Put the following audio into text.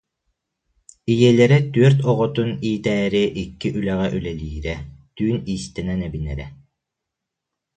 Ийэлэрэ түөрт оҕотүн иитээри икки үлэҕэ үлэлиирэ, түүн иистэнэн эбинэрэ